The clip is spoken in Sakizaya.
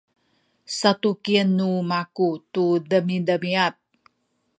satukien nu maku tu demidemiad